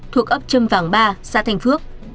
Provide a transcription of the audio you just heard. thuộc ấp trâm vàng ba xã thanh phước